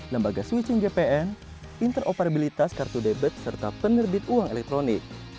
lembaga switching gpn interovarabilitas kartu debit serta penerbit uang elektronik